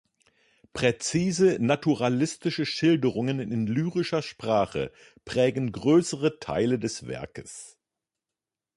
Präzise naturalistische Schilderungen in lyrischer Sprache prägen größere Teile des Werks.